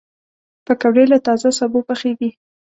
پکورې له تازه سبو پخېږي